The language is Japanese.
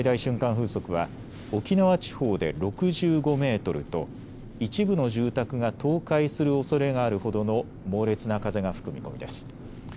風速は沖縄地方で６５メートルと一部の住宅が倒壊するおそれがあるほどの猛烈な風が吹く見込みです。